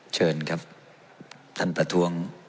เชิญครับท่านประท้วง